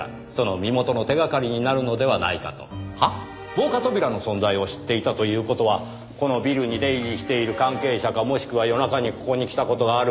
防火扉の存在を知っていたという事はこのビルに出入りしている関係者かもしくは夜中にここに来た事がある者。